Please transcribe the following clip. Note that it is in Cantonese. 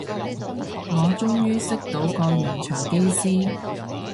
我終於識到個洋腸機師